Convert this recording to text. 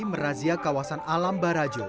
merazia kawasan alam barajo